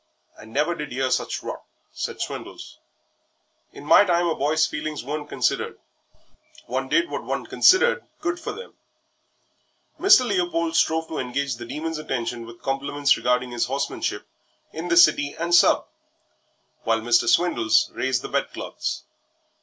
"I never did 'ear such rot," said Swindles. "In my time a boy's feelings weren't considered one did what one considered good for them." Mr. Leopold strove to engage the Demon's attention with compliments regarding his horsemanship in the City and Sub. while Mr. Swindles raised the bedclothes.